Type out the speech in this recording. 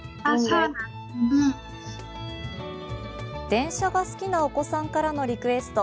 電車が好きなお子さんからのリクエスト。